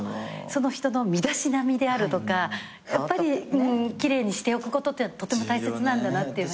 その人の身だしなみであるとかやっぱり奇麗にしておくことってとても大切なんだなっていう。